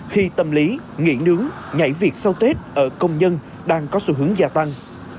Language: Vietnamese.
khi tâm lý nghỉ nướng nhảy việc sau tết ở công nhân đang có xu hướng gia tăng